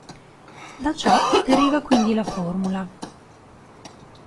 Da ciò deriva quindi la formula.